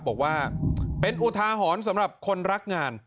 บอกว่าเป็นอุทาหรณ์สำหรับคนรักงาน